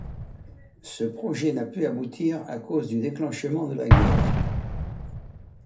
Ce projet n'a pu aboutir à cause du déclenchement de la guerre.